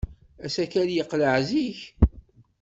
Asakal yeqleɛ zik.